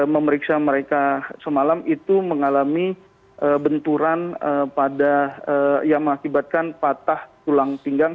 memeriksa mereka semalam itu mengalami benturan yang mengakibatkan patah tulang pinggang